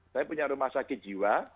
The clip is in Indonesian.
saya punya rumah sakit jiwa